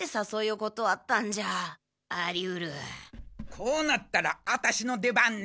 こうなったらアタシの出番ね。